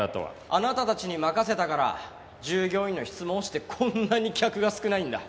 あなたたちに任せたから従業員の質も落ちてこんなに客が少ないんだ。